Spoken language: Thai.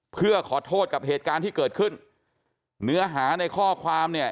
เพื่อขอโทษกับเหตุการณ์ที่เกิดขึ้นเนื้อหาในข้อความเนี่ย